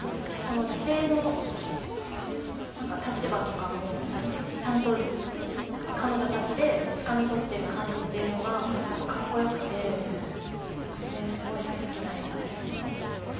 女性の立場とかもなんか彼女たちでつかみ取っている感じというのがかっこよくてすごく、大好きな映画です。